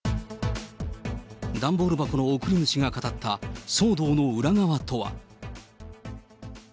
段ボール箱の送り主が語った、騒動の裏側とは。